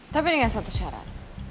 tapi dengan satu syarat